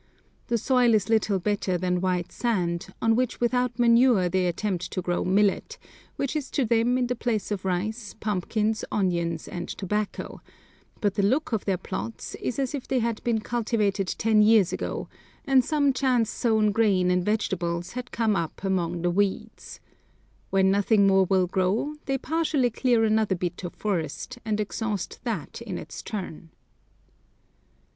The soil is little better than white sand, on which without manure they attempt to grow millet, which is to them in the place of rice, pumpkins, onions, and tobacco; but the look of their plots is as if they had been cultivated ten years ago, and some chance sown grain and vegetables had come up among the weeds. When nothing more will grow, they partially clear another bit of forest, and exhaust that in its turn.